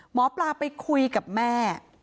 หมอปลาไปคุยกับแม่